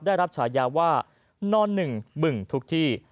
ได้รับฉายาว่านอนหนึ่งบึงทุกที่